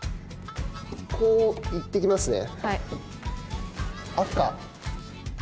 こう行ってきますね。